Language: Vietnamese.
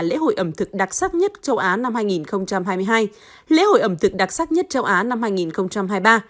lễ hội ẩm thực đặc sắc nhất châu á năm hai nghìn hai mươi hai lễ hội ẩm thực đặc sắc nhất châu á năm hai nghìn hai mươi ba